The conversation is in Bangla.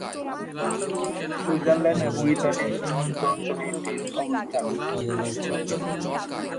সুইজারল্যান্ড এবং ইতালীর সীমান্ত অঞ্চলে এটির অবস্থান।